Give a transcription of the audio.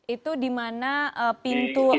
itu di mana pintu